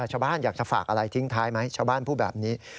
ชาวบ้านอยากจะฝากอะไรทิ้งท้ายไหมชาวบ้านพูดแบบนี้